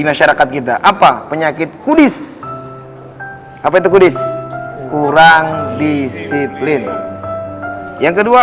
masyarakat kita apa penyakit kudis apa itu kudis kurang disiplin yang kedua